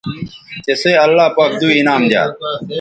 تسئ اللہ پاک دو انعام دی یا